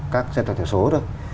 các gia tộc tiểu xố thôi